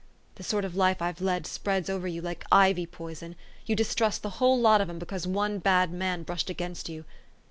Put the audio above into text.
The sort of life I've led spreads over you like ivy poison: you distrust the whole lot of 'em be cause one bad man brushed against you.